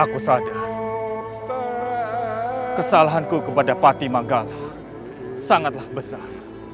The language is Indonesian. aku sadar kesalahanku kepada patih manggala sangatlah besar